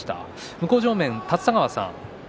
向正面の立田川さん